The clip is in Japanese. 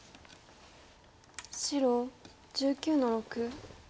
白１９の六。